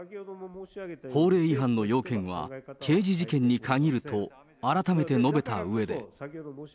法令違反の要件は刑事事件に限ると、改めて述べたうえで。